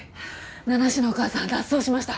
名無しのお母さん脱走しました。